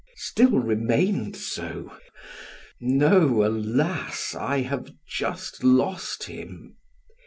Still remained so! No, alas! I have just lost him!